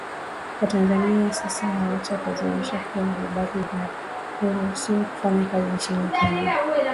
Watanzania sasa hawatalazimika kuwa vibali vya kuruhusiwa kufanya kazi nchini Kenya